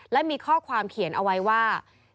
และมีข้อความเขียนเอาไว้ว่า